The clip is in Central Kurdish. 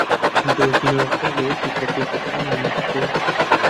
دوزینەوەکە لە یەکێک لە پێگەکانی یوونسکۆ